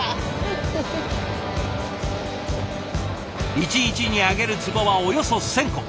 一日に揚げる壺はおよそ１，０００個。